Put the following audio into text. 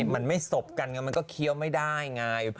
มันไม่สบกันไงมันก็เคี้ยวไม่ได้ไง